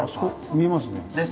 見えますね。